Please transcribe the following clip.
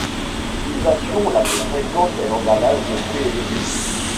L'utilisation la plus fréquente est l'emballage de fruits et légumes.